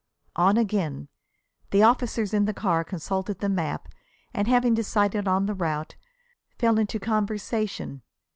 On again. The officers in the car consulted the map and, having decided on the route, fell into conversation.